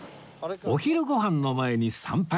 お昼ご飯の前に参拝